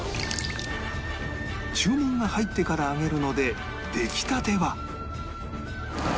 注文が入ってから揚げるのでできたては